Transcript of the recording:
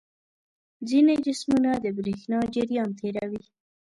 ځینې جسمونه د برېښنا جریان تیروي.